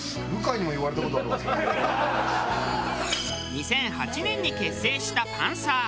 ２００８年に結成したパンサー。